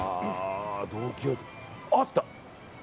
あった。